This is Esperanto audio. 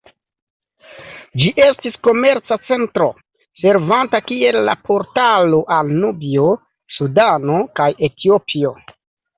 Ĝi estis komerca centro, servanta kiel la portalo al Nubio, Sudano kaj Etiopio.